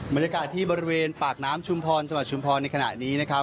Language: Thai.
บรรยากาศที่บริเวณปากน้ำชุมพรจังหวัดชุมพรในขณะนี้นะครับ